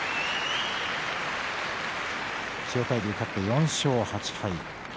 千代大龍、勝って４勝８敗。